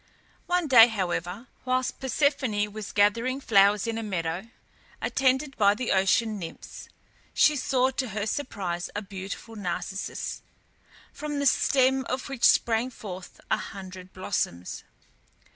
One day, however, whilst Persephone was gathering flowers in a meadow, attended by the ocean nymphs, she saw to her surprise a beautiful narcissus, from the stem of which sprang forth a hundred blossoms.